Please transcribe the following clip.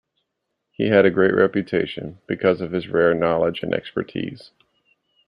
He had a great reputation, because of his rare knowledge and expertise.